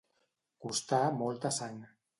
Costar molta sang.